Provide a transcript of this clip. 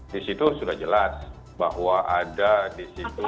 di situ sudah jelas bahwa ada di situ